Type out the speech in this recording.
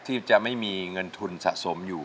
ที่จะไม่มีเงินทุนสะสมอยู่